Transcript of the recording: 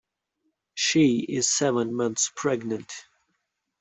She is seven months pregnant.